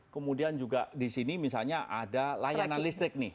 kemudian juga di sini misalnya ada layanan listrik nih